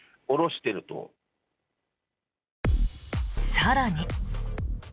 更に。